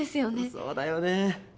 そうだよね。